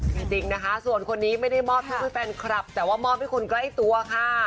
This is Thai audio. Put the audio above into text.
มีจริงนะคะส่วนคนนี้ไม่ได้มอบตัวให้แฟนคลับแต่ว่ามอบให้คนใกล้ตัวค่ะ